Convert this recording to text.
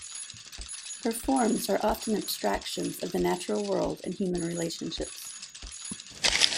Her forms are often abstractions of the natural world and human relationships.